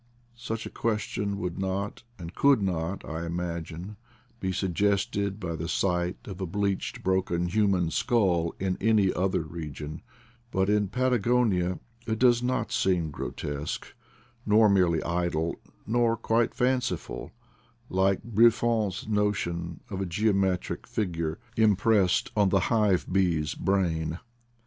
Such a question would not and could not, I imagine, be suggested by the sight of a bleached broken human skull in any other region; but in Patagonia it does not seem gro tesque, nor merely idle, nor quite fanciful, like Buff on 's notion of a geometric figure impressed on the hive bee '& brain.